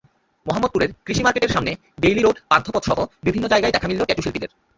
মোহাম্মদপুরের কৃষি মার্কেটের সামনে, বেইলি রোড, পান্থপথসহ বিভিন্ন জায়গায় দেখা মিলল ট্যাটুশিল্পীদের।